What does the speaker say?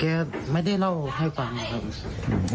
ไม่ได้เล่าให้ฟังนะครับ